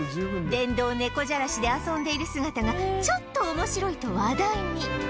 電動猫じゃらしで遊んでいる姿がちょっと面白いと話題に